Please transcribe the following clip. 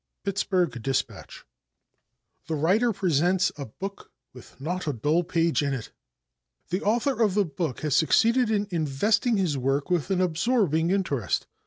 Pittsburg Dispatch. The Writer "Presents a Book With Not a Dull Page in it." The author of the book has succeeded in investing his work with an absorbing interest.